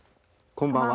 こんばんは。